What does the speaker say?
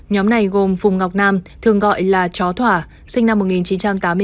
nhóm này gồm phùng ngọc nam thường gọi là chó thỏa sinh năm một nghìn chín trăm tám mươi bốn